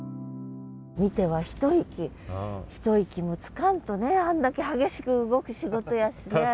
見ては一息一息もつかんとねあんだけ激しく動く仕事やしね。